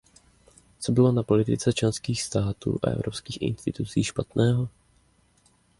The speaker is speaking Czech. Co bylo na politice členských států a evropských institucí špatného?